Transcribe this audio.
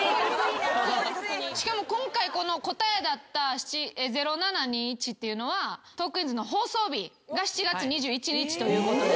しかも今回答えだった「０７２１」っていうのは『トークィーンズ』の放送日が７月２１日ということで。